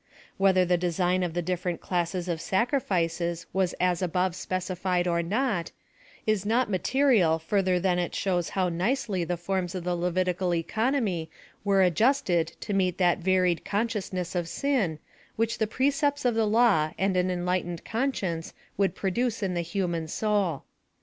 Whether the desiorn of the different classes of sacri fices was as above specified or not, is not material further than it shows how nicely the forms of the Levitical economy were adjusted to meet that vari ed consciousness of sin, which the precepts of the law and an enlightened conscience would produce in the human soul.